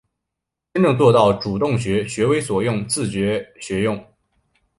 真正做到主动学、学为所用、自觉学用